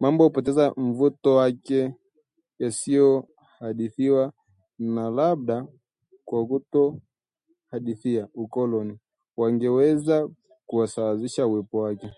Mambo hupoteza mvuto wake yasipohadithiwa, na labda kwa kutohadithia ukoloni, wangeweza kusawazisha uwepo wake